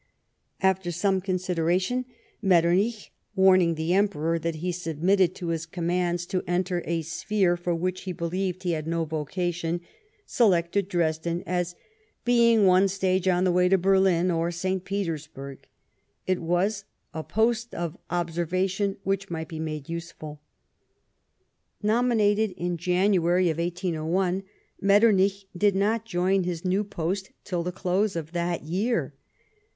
After some consideration, Metternich, warning the Emperor that he submitted to his commands to enter a sphere for which he beheved he had no vocation, selected Dresden, as, " being one stage on the way to Berlin oi St. Petersburg," it was " a post of observation which might be made useful." Nominated in January, 1801, Metternich did not join his new post till the close of that year.